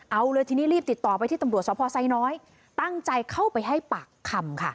เอาเลยทีนี้รีบติดต่อไปที่ตำรวจสภไซน้อยตั้งใจเข้าไปให้ปากคำค่ะ